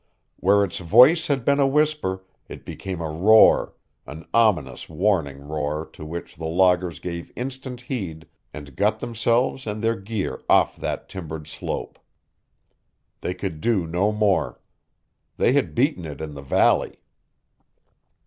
Where its voice had been a whisper, it became a roar, an ominous, warning roar to which the loggers gave instant heed and got themselves and their gear off that timbered slope. They could do no more. They had beaten it in the valley.